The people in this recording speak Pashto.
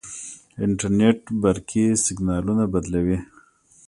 انټرنیټ برقي سیګنالونه بدلوي.